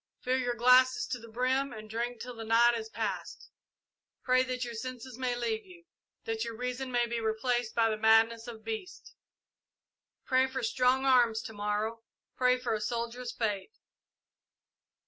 Fill your glasses to the brim and drink till the night is past. Pray that your senses may leave you that your reason may be replaced by the madness of beasts! Pray for strong arms to morrow pray for a soldier's fate!